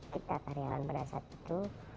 kita karyawan pada saat itu